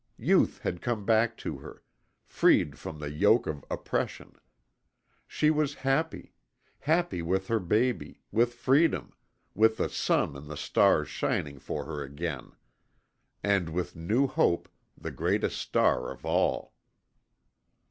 Youth had come back to her freed from the yoke of oppression. She was happy. Happy with her baby, with freedom, with the sun and the stars shining for her again; and with new hope, the greatest star of all.